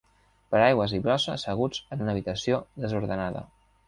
Paraigües i brossa asseguts en una habitació desordenada